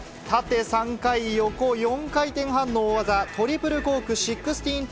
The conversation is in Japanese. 縦３回、横４回転半の大技、トリプルコーク１６２０。